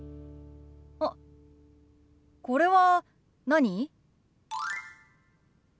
あっこれは何？